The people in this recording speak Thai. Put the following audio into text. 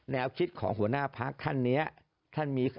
แนวคิดของหัวหน้าพักท่านนี้